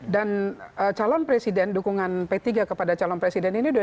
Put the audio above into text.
dan calon presiden dukungan p tiga kepada calon presiden ini